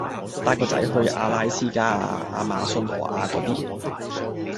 帶個仔去下阿拉斯加呀，亞馬遜河呀果啲